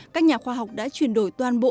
các nhà khoa học đã chuyển đổi toàn bộ